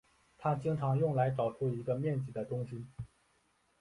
它经常用来找出一个面积的中心。